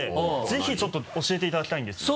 ぜひちょっと教えていただきたいんですよ。